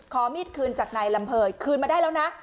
มีดคืนจากนายลำเภยคืนมาได้แล้วนะ